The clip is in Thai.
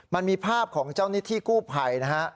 มันมีภาพของเจ้านิทธิกู้ไพร